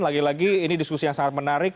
lagi lagi ini diskusi yang sangat menarik